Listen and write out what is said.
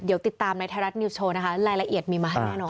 เดี๋ยวติดตามในไทยรัฐนิวส์โชว์นะคะรายละเอียดมีมาให้แน่นอน